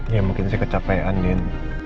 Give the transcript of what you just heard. ya mungkin sih kecapean dan